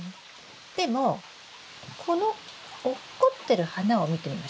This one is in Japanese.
でもこの落っこってる花を見てみましょうか。